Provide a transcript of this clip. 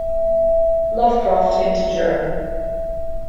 Lovecraft into German.